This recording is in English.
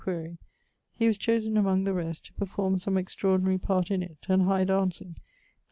(quaere), he was chosen (among the rest) to performe some extraordinary part in it, and high danceing, i.